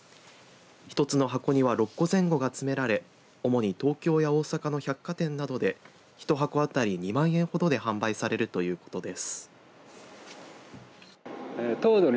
１つの箱には６個前後が詰められ主に東京や大阪の百貨店などで１箱当たり２万円ほどで販売されるということです。